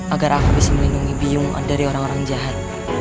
agar aku bisa melindungi bimu dari orang orang jahat